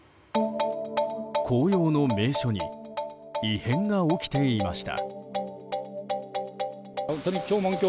紅葉の名所に異変が起きていました。